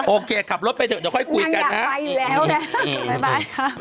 โอเคกลับรถไปเดี๋ยวค่อยกูยกันนังอยากไปอยู่แล้วนะ